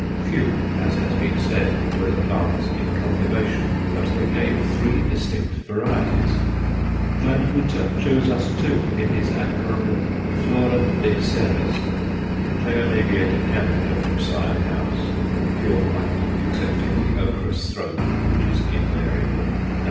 Few, as has been said, were the plants in cultivation, but they gave three distinct varieties. Van Houtte shows us two in his admirable Flore des Serres; C. l. candida, from Syon House, pure white excepting the ochrous throat which is invariable and _C.